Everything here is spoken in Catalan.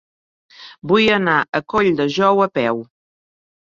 Vull anar a Colldejou a peu.